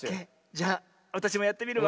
じゃあわたしもやってみるわ。